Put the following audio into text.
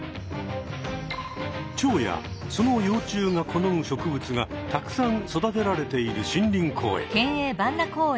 チョウやその幼虫が好む植物がたくさん育てられている森林公園。